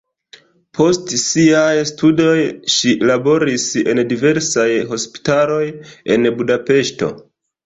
Post siaj studoj ŝi laboris en diversaj hospitaloj en Budapeŝto.